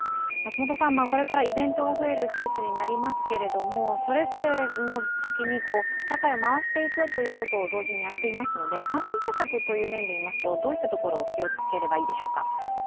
これからイベントが増える季節になりますけれども、それぞれのときに社会を回していくことを同時にやっていますので感染対策という面でいいますとどういったところを気をつければいいでしょうか？